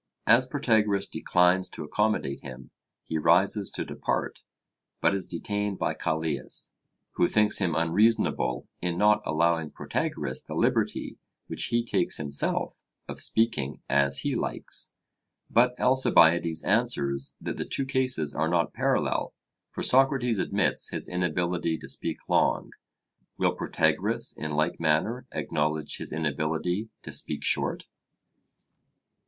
As Protagoras declines to accommodate him, he rises to depart, but is detained by Callias, who thinks him unreasonable in not allowing Protagoras the liberty which he takes himself of speaking as he likes. But Alcibiades answers that the two cases are not parallel. For Socrates admits his inability to speak long; will Protagoras in like manner acknowledge his inability to speak short?